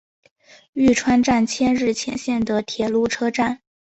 玉川站千日前线的铁路车站。